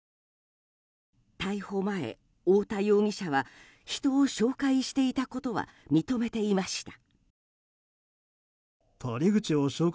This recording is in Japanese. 逮捕前、太田容疑者は人を紹介していたことは認めていました。